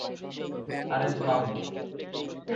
আরে থাম!